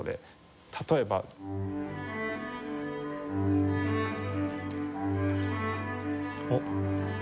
例えば。おっ。